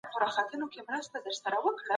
ګاونډیانو به خپل سفارتونه پرانیستل.